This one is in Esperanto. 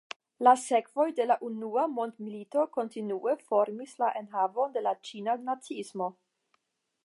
La sekvoj de la Unua Mondmilito kontinue formis la enhavon de la Ĉina naciismo.